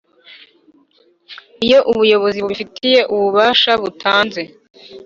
iyo ubuyobozi bubifitiye ububasha butanze